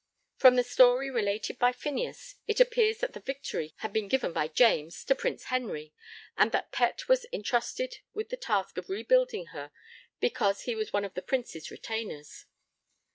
From the story related by Phineas, it appears that the Victory had been given by James to Prince Henry, and that Pett was entrusted with the task of rebuilding her because he was one of the Prince's retainers.